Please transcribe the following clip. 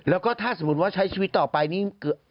แล้วก็ถ้าสมมุติว่าใช้ชีวิตต่อไปนี่